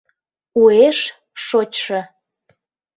Уэш шочшо.